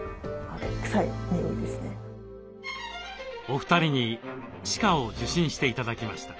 お二人に歯科を受診して頂きました。